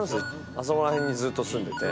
あそこら辺にずっと住んでて。